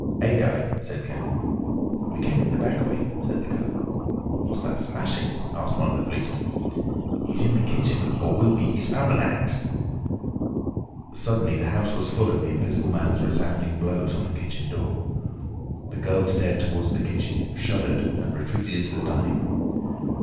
"Adye," said Kemp. "We came in the back way," said the girl. "What's that smashing?" asked one of the policemen. "He's in the kitchen—or will be. He has found an axe—" Suddenly the house was full of the Invisible Man's resounding blows on the kitchen door. The girl stared towards the kitchen, shuddered, and retreated into the dining room.